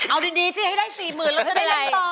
เอาดีให้ได้๔๐๐๐๐แล้วไม่เป็นไร